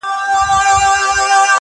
زما زړۀ کي فقط تۀ خلکو پیدا کړې